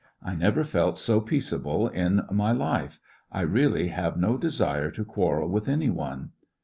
I never felt so peace able in my life. I really have no desire to quarrel with any one.